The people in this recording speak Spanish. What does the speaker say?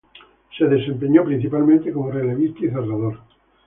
Se desempeñó principalmente como relevista y cerrador.